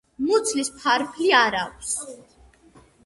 მუცლის ფარფლი არ აქვს.